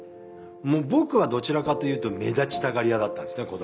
もう僕はどちらかというと目立ちたがり屋だったんですね